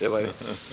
ya pak ya